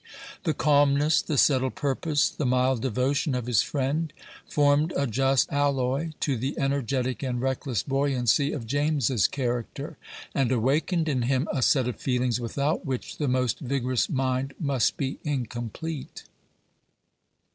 The calmness, the settled purpose, the mild devotion of his friend, formed a just alloy to the energetic and reckless buoyancy of James's character, and awakened in him a set of feelings without which the most vigorous mind must be incomplete.